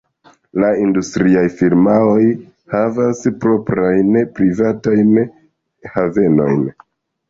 La industriaj firmaoj havas proprajn privatajn havenojn.